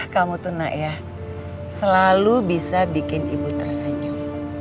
kamu tuh nak ya selalu bisa bikin ibu tersenyum